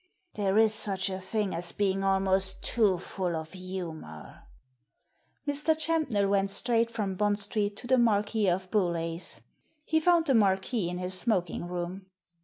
There is such a thing as being almost too full of humour." Mr. Champnell went straight from Bond Street to the Marquis of Bewlay's. He found the Marquis in his smoking room.